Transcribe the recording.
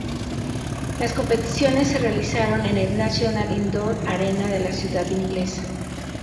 Las competiciones se realizaron en el National Indoor Arena de la ciudad inglesa.